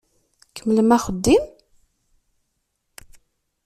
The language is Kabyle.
Kemmlem axeddim!